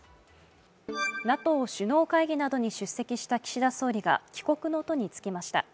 ＮＡＴＯ首脳会議などに出席した岸田総理が帰国の途につきました。